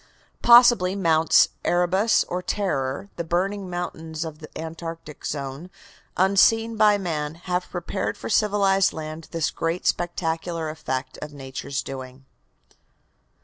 Possibly Mounts Erebus or Terror, the burning mountains of the Antarctic zone, may, unseen by man, have prepared for civilized lands this grand spectacular effect of Nature's doings.